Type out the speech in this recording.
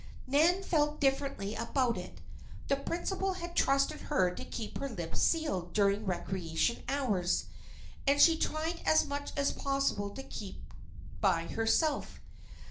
Nan felt differently about it. The principal had trusted her to keep her lips sealed during recreation hours; and she tried as much as possible to keep by herself.